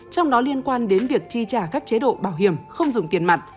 trong đó liên quan đến việc chi trả các chế độ bảo hiểm không dùng tiền mặt